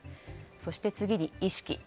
そして次に、意識。